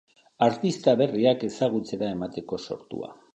Artista berriak ezagutzera emateko sortua.